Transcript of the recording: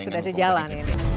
ya sudah sejalan